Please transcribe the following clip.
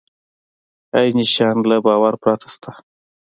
عیني شیان له باور پرته شته.